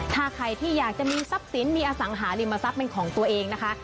ถ้าใครที่อยากจะมีทรัพย์สินมีอสังหาริมทรัพย์เป็นของตัวเองนะคะ